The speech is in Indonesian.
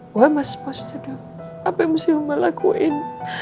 gue harus berpikir apa yang harus gue lakuin